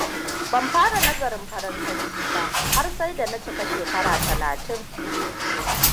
Ban fara nazarin Faransanci ba har sai da na cika shekara talatin.